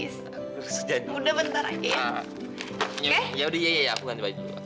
sadis sudah mentorekk ya ya udah ya aku nanti wajibaknya